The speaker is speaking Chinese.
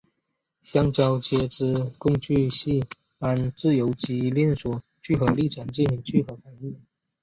橡胶接枝共聚系按自由基链锁聚合历程进行聚合反应。